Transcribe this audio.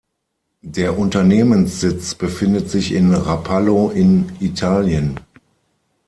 Der Unternehmenssitz befindet sich in Rapallo in Italien.